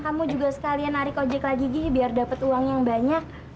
kamu juga sekalian narik ojek lagi gih biar dapat uang yang banyak